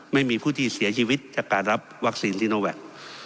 ไม่มีผู้ที่เสียชีวิตจากการรับวัคซีนซีโนแวค